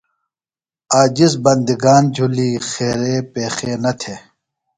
عاجز بندگان جُھلیۡ خیرے پیخے نہ تھےۡ۔